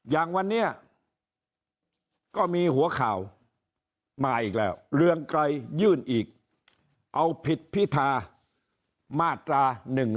อย่างวันนี้ก็มีหัวข่าวมาอีกแล้วเรืองไกรยื่นอีกเอาผิดพิธามาตรา๑๑๒